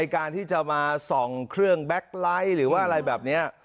การที่จะมาส่องเครื่องแก๊กไลท์หรือว่าอะไรแบบนี้